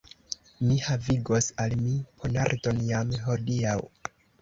Mi havigos al mi ponardon jam hodiaŭ.